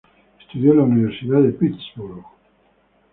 Estudió en la Universidad de Pittsburgh.